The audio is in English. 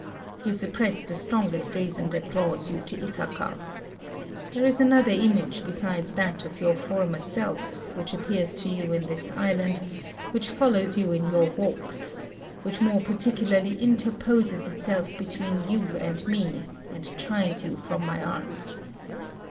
You suppress the strongest reason that draws you to Ithaca. There is another image besides that of your former self, which appears to you in this island, which follows you in your walks, which more particularly interposes itself between you and me, and chides you from my arms.